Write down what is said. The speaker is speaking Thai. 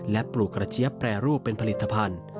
และปลูกกระเจี๊ยบแปรรูปเป็นผลิตภัณฑ์